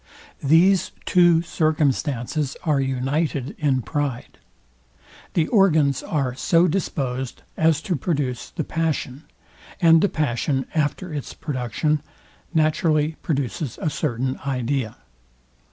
These two circumstances are united in pride. The organs are so disposed as to produce the passion; and the passion, after its production, naturally produces a certain idea.